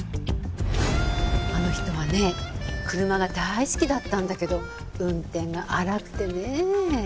あの人はね車が大好きだったんだけど運転が荒くてねえ。